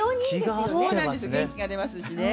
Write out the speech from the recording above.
元気が出ますしね。